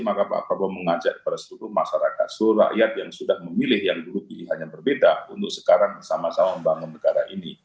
maka pak prabowo mengajak kepada seluruh masyarakat seluruh rakyat yang sudah memilih yang dulu pilihannya berbeda untuk sekarang sama sama membangun negara ini